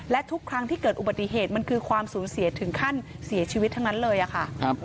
และทุกครั้งที่เกิดอุบัติเหตุมันคือความสูญเสียถึงขั้นเสียชีวิตทั้งนั้นเลยค่ะ